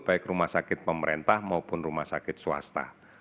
baik rumah sakit pemerintah maupun rumah sakit swasta